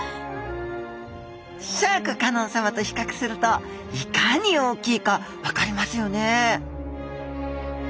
シャーク香音さまと比較するといかに大きいか分かりますよね